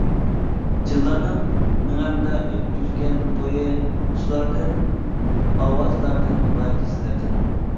جىنلارنىڭ مېڭەمدە ئۆتكۈزگەن تويى، سۇلاردىن، ئاۋازلاردىن ۋە كېچىلەردىن.